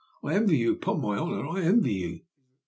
I envy you; upon my honor, I envy you!